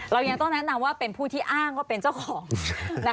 เรายังต้องแนะนำว่าเป็นผู้ที่อ้างว่าเป็นเจ้าของ